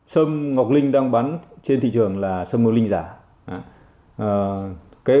sâm ngọc linh đang bán trên thị trường là sâm ngọc linh giả